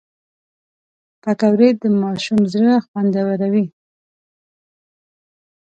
پکورې د ماشوم زړه خوندوروي